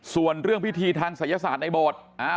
ส่วนเรื่องพิธีทางศัยศาสตร์ในโบสถ์